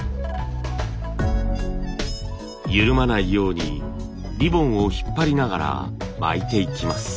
緩まないようにリボンを引っ張りながら巻いていきます。